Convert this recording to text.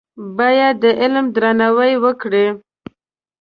باید د علم درناوی وکړې.